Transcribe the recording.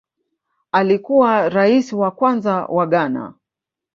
Alikuwa Rais wa kwanza wa Ghana